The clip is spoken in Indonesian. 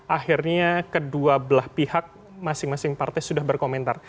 akhirnya kedua belah pihak masing masing partai sudah berkomentar